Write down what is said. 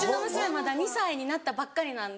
まだ２歳になったばっかりなんで。